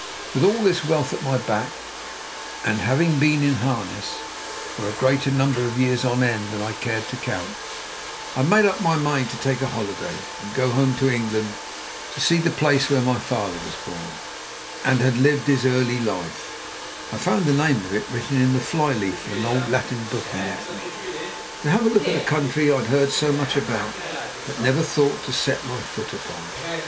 With all this wealth at my back, and having been in harness for a greater number of years on end than I cared to count, I made up my mind to take a holiday and go home to England to see the place where my father was born, and had lived his early life (I found the name of it written in the fly leaf of an old Latin book he left me), and to have a look at a country I'd heard so much about, but never thought to set my foot upon.